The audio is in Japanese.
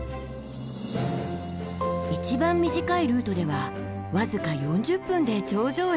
一番短いルートでは僅か４０分で頂上へ。